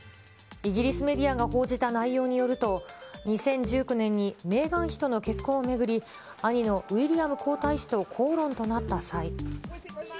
イギリスメディアが報じた内容によると、２０１９年にメーガン妃との結婚を巡り、兄のウィリアム皇太子と口論となった際。